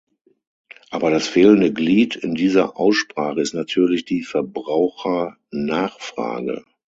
Aber das fehlende Glied in dieser Aussprache ist natürlich die Verbrauchernachfrage.